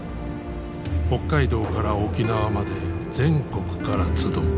北海道から沖縄まで全国から集う。